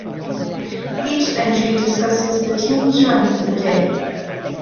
Each entry discusses the team's run for the day.